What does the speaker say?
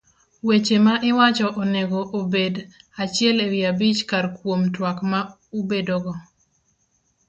Weche ma iwacho onego obed achiel ewi abich kar kuom twak ma ubedogo.